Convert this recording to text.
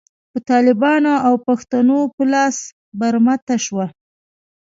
په طالبانو او پښتنو په لاس برمته شوه.